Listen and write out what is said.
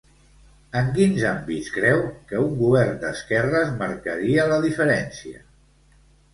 En quins àmbits creu que un govern d'esquerres marcaria la diferència?